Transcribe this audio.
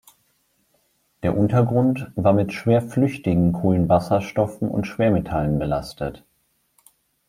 Der Untergrund war mit schwer flüchtigen Kohlenwasserstoffen und Schwermetallen belastet.